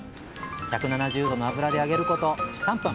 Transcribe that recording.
１７０℃の油で揚げること３分！